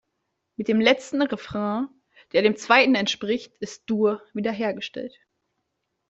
Mit dem letzten Refrain, der dem zweiten entspricht, ist Dur wiederhergestellt.